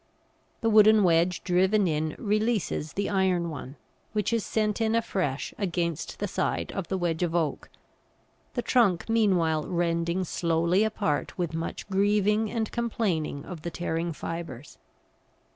The wooden wedge driven in releases the iron one, which is sent in afresh against the side of the wedge of oak, the trunk meanwhile rending slowly apart with much grieving and complaining of the tearing fibres.